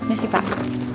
ya si pak